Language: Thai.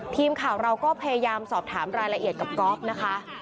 ทีมข่าวเราก็พยายามสอบถามรายละเอียดกับก๊อฟนะคะ